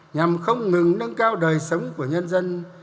nhằm không ngừng nâng cao đời sống của nhân dân